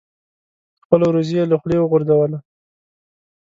خپله روزي یې له خولې وغورځوله.